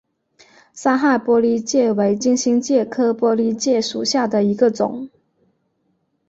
三害玻璃介为金星介科玻璃介属下的一个种。